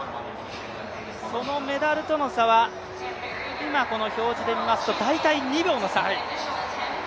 そのメダルとの差は今この表示で見ますと大体２秒の差。